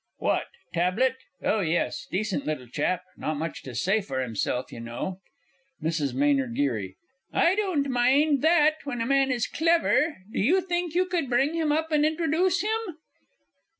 PHIL. What, Tablett? Oh, yes decent little chap; not much to say for himself, you know. MRS. M. G. I don't mind that when a man is clever do you think you could bring him up and introduce him?